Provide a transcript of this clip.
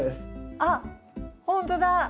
あっほんとだ！